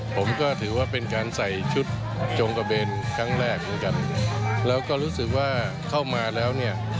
ผมก็ถือว่าเป็นการใส่ชุดจงกระเบนครั้งแรกเหมือนกันแล้วก็รู้สึกว่าเข้ามาแล้วเนี่ย